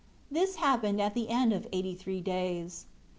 This happened at the end of eighty three days.